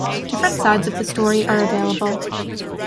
Different sides of the story are available.